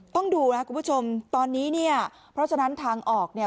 ต้องดูนะครับคุณผู้ชมตอนนี้เนี่ยเพราะฉะนั้นทางออกเนี่ย